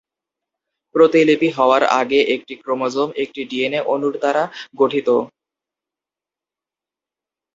প্রতিলিপি হওয়ার আগে একটি ক্রোমোজোম একটি ডিএনএ অণুর দ্বারা গঠিত।